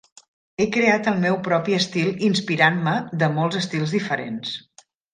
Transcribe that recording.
He creat el meu propi estil inspirant-me de molts estils diferents.